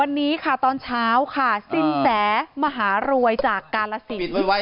วันนี้ค่ะตอนเช้าค่ะสินแสมหารวยจากกาลสิน